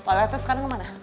toiletnya sekarang di mana